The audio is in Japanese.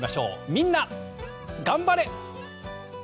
みんながん晴れ！